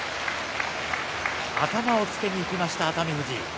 頭をつけにいきました熱海富士。